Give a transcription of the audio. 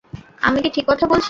আমি কি ঠিক কথা বলছি?